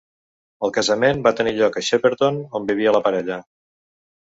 El casament va tenir lloc a Shepperton, on vivia la parella.